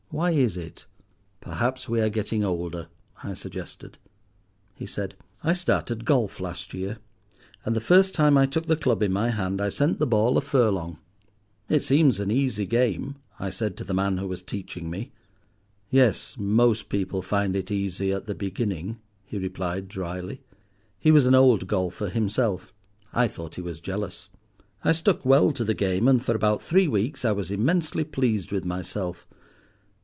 Why is it?" "Perhaps we are getting older," I suggested. He said—"I started golf last year, and the first time I took the club in my hand I sent the ball a furlong. 'It seems an easy game,' I said to the man who was teaching me. 'Yes, most people find it easy at the beginning,' he replied dryly. He was an old golfer himself; I thought he was jealous. I stuck well to the game, and for about three weeks I was immensely pleased with myself.